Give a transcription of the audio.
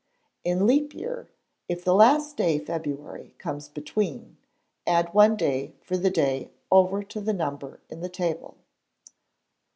In Leap Year, if the last day February comes between, add one day for the day over to the number in the Table.